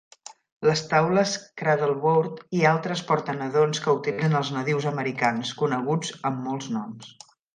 Les taules "cradleboard" i altres portanadons que utilitzen els nadius americans, coneguts amb molts noms.